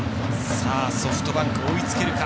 ソフトバンク追いつけるか。